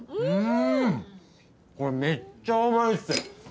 これめっちゃうまいです。